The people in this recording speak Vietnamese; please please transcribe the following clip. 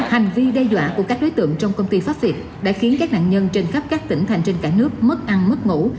hành vi đe dọa của các đối tượng trong công ty pháp việt đã khiến các nạn nhân trên khắp các tỉnh thành trên cả nước mất ăn mất ngủ